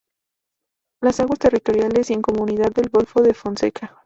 Las aguas territoriales y en comunidad del Golfo de Fonseca.